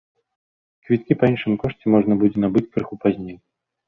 Квіткі па іншым кошце можна будзе набыць крыху пазней.